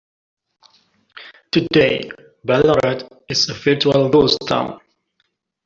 Today, Ballarat is a virtual ghost town.